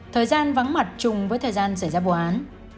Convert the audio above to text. thời gian vắng mặt chung với thời gian xảy ra vụ án